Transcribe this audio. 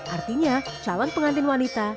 artinya calon pengantin wanita